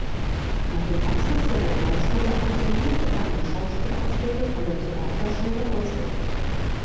Nach dem Abschluss der Realschule absolvierte er eine Schauspielausbildung an der Theaterschule Otto.